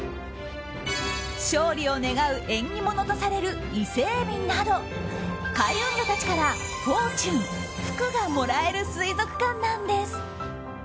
勝利を願う縁起物とされる伊勢エビなど開運魚たちからフォーチュン、福がもらえる水族館なんです。